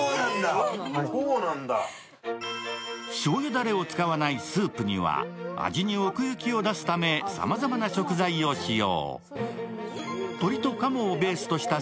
だれを使わないスープには味に奥行きを出すためさまざまな食材を使用。